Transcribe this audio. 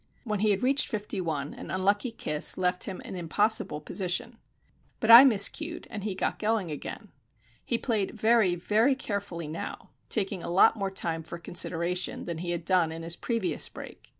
When he had reached fifty one, an unlucky kiss left him an impossible position. But I miscued, and he got going again. He played very, very carefully now, taking a lot more time for consideration than he had done in his previous break.